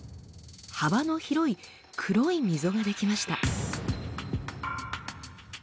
幅の広い黒い溝が出来ました。